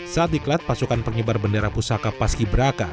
saat diklat pasukan penyebar bendera pusaka paski braka